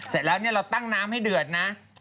เสร็จแล้วเราตั้งน้ำให้เดือดนะ